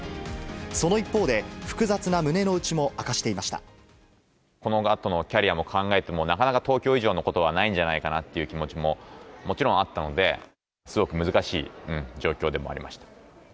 その一方で、このあとのキャリアを考えても、なかなか東京以上のことはないんじゃないかなという気持ちももちろんあったので、すごく難しい状況でもありました。